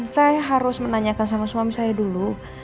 saya harus menanyakan sama suami saya dulu